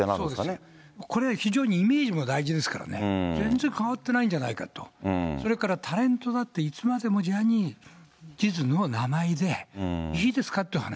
そうですよ、これ、非常にイメージも大事ですからね、全然変わってないんじゃないかと、それからタレントだっていつまでもジャニーズの名前でいいですかっていう話。